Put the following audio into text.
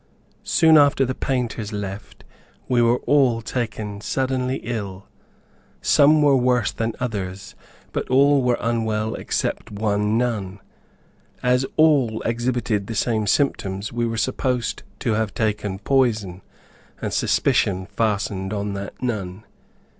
Soon after the painters left we were all taken suddenly ill. Some were worse than others, but all were unwell except one nun. As all exhibited the same symptoms, we were supposed to have taken poison, and suspicion fastened on that nun.